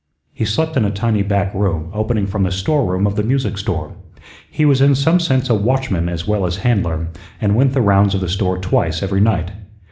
He slept in a tiny back room opening from the storeroom of the music store. He was in some sense a watchman as well as handler, and went the rounds of the store twice every night.